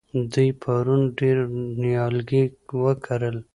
دوی پرون ډېر نیالګي وکرل.